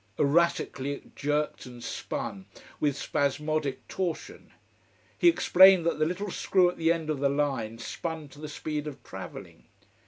Erratically it jerked and spun, with spasmodic torsion. He explained that the little screw at the end of the line spun to the speed of travelling.